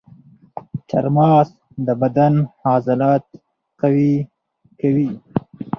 چارمغز د بدن عضلات قوي کوي.